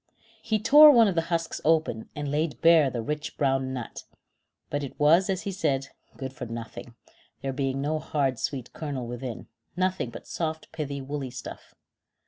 He tore one of the husks open, and laid bare the rich brown nut; but it was, as he said, good for nothing, there being no hard sweet kernel within, nothing but soft pithy woolly stuff.